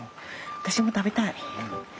私も食べたい。